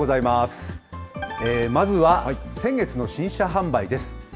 まずは先月の新車販売です。